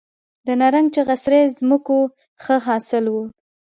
د نرنګ، چغه سرای ځمکو ښه حاصل و